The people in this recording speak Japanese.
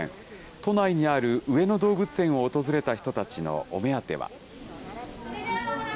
都内にある上野動物園を訪れた人たちのお目当ては。